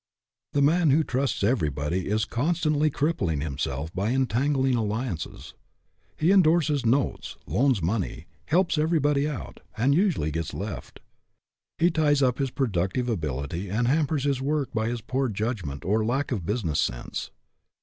The man who trusts everybody is con stantly crippling himself by entangling alli ances. He indorses notes, loans money, helps everybody out, and usually gets left. He ties Up his productive ability and hampers his work by his poor judgment or lack of business sense.